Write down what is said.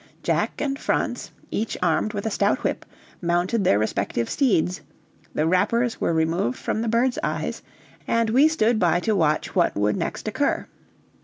Jack and Franz, each armed with a stout whip, mounted their respective steeds, the wrappers were removed from the bird's eyes, and we stood by to watch what would next occur.